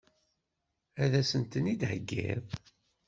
Ad as-ten-id-theggiḍ?